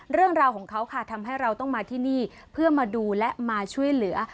เรื่องราวของเขาค่ะทำให้เราต้องมาที่นี่เพื่อมาดูและมาช่วยเหลือ